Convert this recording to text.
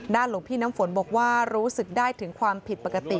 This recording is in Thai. หลวงพี่น้ำฝนบอกว่ารู้สึกได้ถึงความผิดปกติ